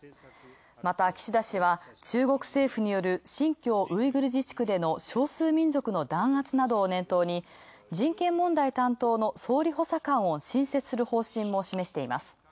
また岸田氏は、中国政府による新疆ウイグル自治区での少数民族への弾圧などを念頭に人権問題担当の総理補佐官を新設する方針も示しています。